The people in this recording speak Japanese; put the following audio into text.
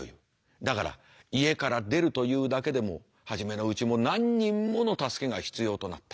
だから家から出るというだけでも初めのうちも何人もの助けが必要となった。